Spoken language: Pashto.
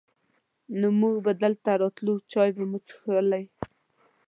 نو مونږ به دلته راتلو، چای به مو چښلې.